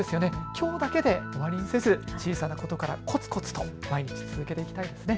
きょうだけで終わりにせず小さなことからこつこつと、毎日続けていきたいですね。